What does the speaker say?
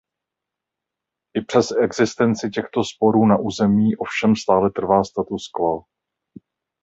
I přes existenci těchto sporů na území ovšem stále trvá status quo.